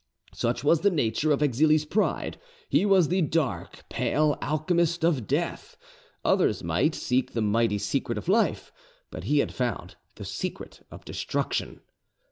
Such was the nature of Exili's pride: he was the dark, pale alchemist of death: others might seek the mighty secret of life, but he had found the secret of destruction.